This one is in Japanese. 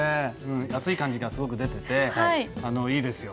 暑い感じがすごく出てていいですよ